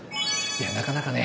いやなかなかね。